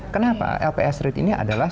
kenapa lps rate ini adalah